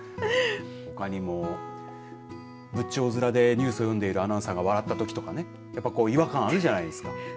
ほかにも仏頂面でニュースを読んでいるアナウンサーが笑ったときとかねやっぱ違和感あるじゃないですか。